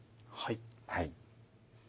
はい。